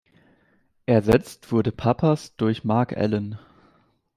Ersetzt wurde Pappas durch Marc Allen.